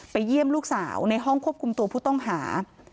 เยี่ยมลูกสาวในห้องควบคุมตัวผู้ต้องหา